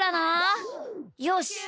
よし！